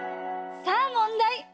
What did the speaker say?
さあもんだい！